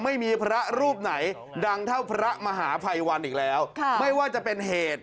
ไม่มีพระรูปไหนดังเท่าพระมหาภัยวันอีกแล้วค่ะไม่ว่าจะเป็นเหตุ